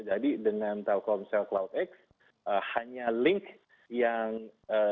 jadi dengan telkomsel cloudx hanya link yang dibuat